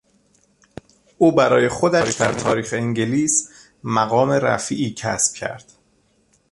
او برای خودش در تاریخ انگلیس مقام رفیعی کسب کرد.